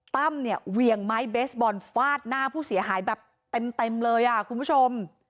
ตั้มเนี่ยเวียงไม้เบสบอลฟาดหน้าผู้เสียหายแบบเต็มเลยอ่ะคุณผู้ชม